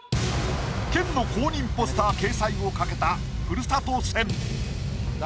県の公認ポスター掲載を懸けたふるさと戦。